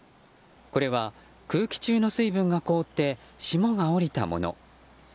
これは空気中の水分が凍って霜が降りたもの。